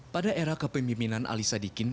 pada era kepemimpinan ali sadikin